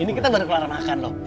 ini kita baru keluar makan loh